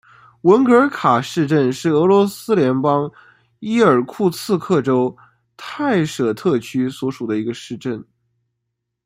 文格尔卡市镇是俄罗斯联邦伊尔库茨克州泰舍特区所属的一个市镇。